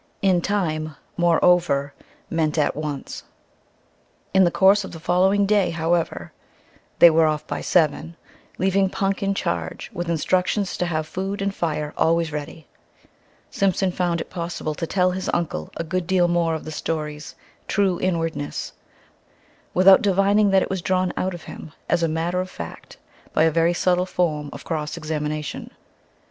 "In time," moreover, meant at once. In the course of the following day, however they were off by seven, leaving Punk in charge with instructions to have food and fire always ready Simpson found it possible to tell his uncle a good deal more of the story's true inwardness, without divining that it was drawn out of him as a matter of fact by a very subtle form of cross examination.